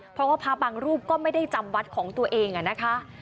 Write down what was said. เพราะว่าพระบางรูปก็ไม่ได้จำวัดของตัวเองนะคะ